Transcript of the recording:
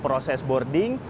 kemudian melalui boarding